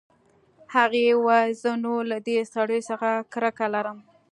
هغې وویل زه نور له دې سړیو څخه کرکه لرم